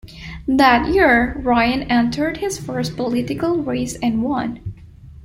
That year, Ryan entered his first political race and won.